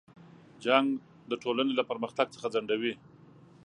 جنګ د ټولنې له پرمختګ څخه ځنډوي.